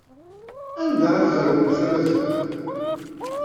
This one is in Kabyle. Anda ay tzerwemt tamaziɣt?